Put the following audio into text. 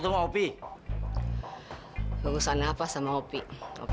cari aja sendiri